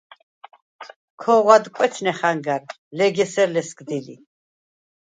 ქოღვ ადკვეცნე ხანგა̈რ, ლეგ ესერ ლესგდი ლი.